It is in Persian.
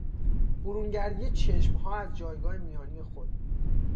برونگردی چشمها از جایگاه میانی خود